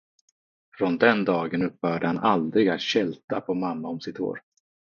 Från den dagen upphörde han aldrig att kälta på mamma om sitt hår.